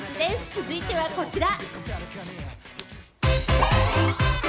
続いてはこちら。